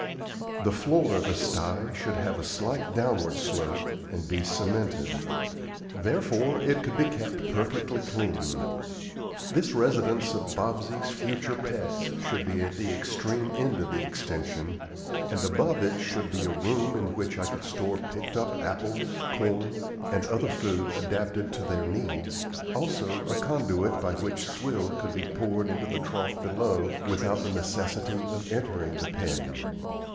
The floor of the sty should have a slight downward slope, and be cemented. Therefore it could be kept perfectly clean. This residence of Bobsey's future pets should be at the extreme end of the extension, and above it should be a room in which I could store picked up apples, corn, and other food adapted to their needs, also a conduit by which swill could be poured into the trough below without the necessity of entering the pen.